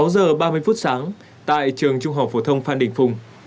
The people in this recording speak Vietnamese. sáu giờ ba mươi phút sáng tại trường trung học phổ thông phan đình phùng